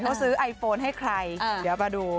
เขาซื้อไอโฟนให้ใครเดี๋ยวมาดู